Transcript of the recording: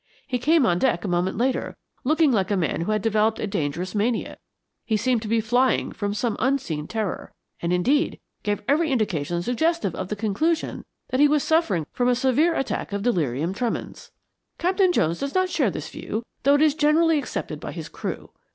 He came on deck a moment later, looking like a man who had developed a dangerous mania. He seemed to be flying from some unseen terror, and, indeed, gave every indication suggestive of the conclusion that he was suffering from a severe attack of delirium tremens. Captain Jones does not share this view, though it is generally accepted by his crew.